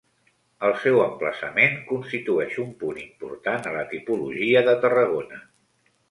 El seu emplaçament constitueix un punt important a la tipologia de Tarragona.